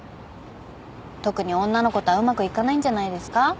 特に女の子とはうまくいかないんじゃないですか？